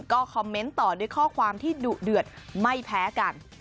ก็คอมเมนต์ต่อด้วยข้อความที่ดุเดือดไม่แพ้กัน